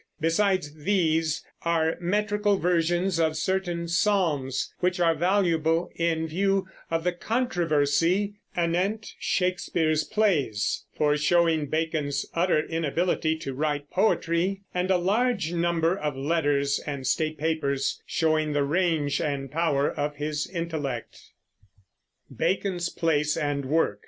Besides these are metrical versions of certain Psalms which are valuable, in view of the controversy anent Shakespeare's plays, for showing Bacon's utter inability to write poetry and a large number of letters and state papers showing the range and power of his intellect. BACON'S PLACE AND WORK.